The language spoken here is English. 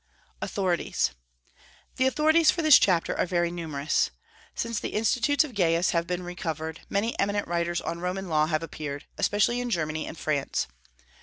AUTHORITIES. The authorities for this chapter are very numerous. Since the Institutes of Gaius have been recovered, many eminent writers on Roman law have appeared, especially in Germany and France.